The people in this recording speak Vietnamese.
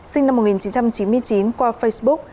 sinh năm một nghìn chín trăm chín mươi chín qua facebook